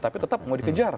tapi tetap mau dikejar